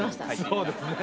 そうですね。